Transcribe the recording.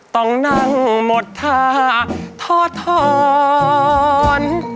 ต้องนั่งหมดท่าทอทอน